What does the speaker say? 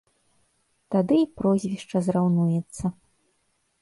Тады й прозвішча зраўнуецца.